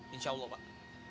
insya allah pak